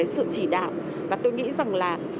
sự chỉ đạo và tôi nghĩ rằng là